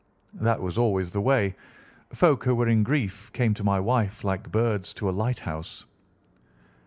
That was always the way. Folk who were in grief came to my wife like birds to a lighthouse.